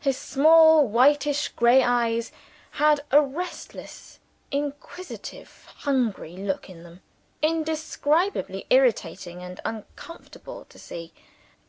His small whitish grey eyes had a restless, inquisitive, hungry look in them, indescribably irritating and uncomfortable to see.